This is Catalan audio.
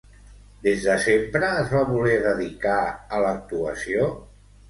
Des de sempre es va voler dedicar a l'actuació?